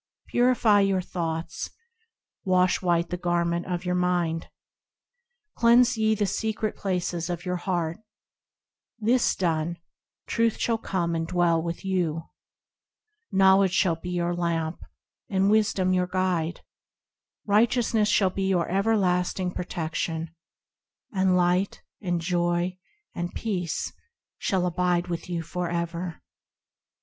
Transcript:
Purify your thoughts ; Wash white the garment of your mind ; Cleanse ye the secret places of your heart :– This done, Truth shall come and dwell with You; Knowledge shall be your lamp, and wisdom your guide ; Righteousness shall be your everlasting protection, And Light, and Joy, and Peace shall abide with you for ever.